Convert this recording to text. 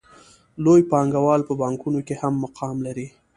لوی پانګوال په بانکونو کې هم مقام لري